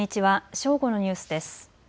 正午のニュースです。